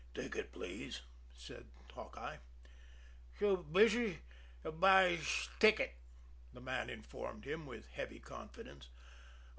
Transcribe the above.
"Ticket, please," said Hawkeye. "Too busy to buysh ticket," the man informed him, with heavy confidence.